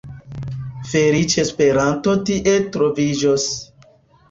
Feliĉe Esperanto tie troviĝos.